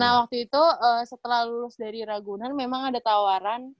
nah waktu itu setelah lulus dari ragunan memang ada tawaran